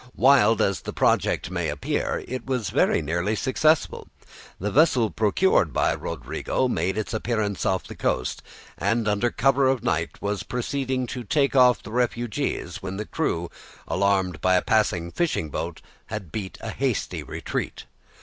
Wild as the project may appear, it was very nearly successful. The vessel procured by Rodrigo made its appearance off the coast, and under cover of night was proceeding to take off the refugees, when the crew were alarmed by a passing fishing boat, and beat a hasty retreat.